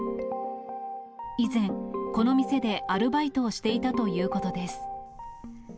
以前、この店でアルバイトをしていたということです。